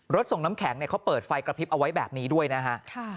ส่งน้ำแข็งเขาเปิดไฟกระพริบเอาไว้แบบนี้ด้วยนะฮะ